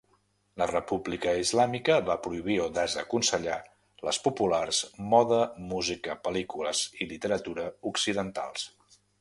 La república islàmica va prohibir o desaconsellar les populars moda, música, pel·lícules i literatura occidentals.